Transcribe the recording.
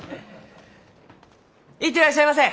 行ってらっしゃいませ！